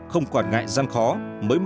không quản ngại gian khó mới mở rộng ra